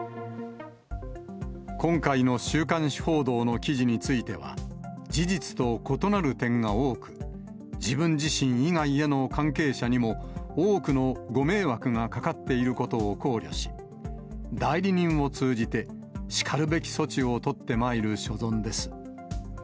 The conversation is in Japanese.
今回の週刊誌報道の記事については、事実と異なる点が多く、自分自身以外への関係者にも、多くのご迷惑がかかっていることを考慮し、代理人を通じて、しかるべき措置を取ってまいる所存です。